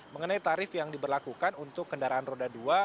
mengenai tarif yang diberlakukan untuk kendaraan roda dua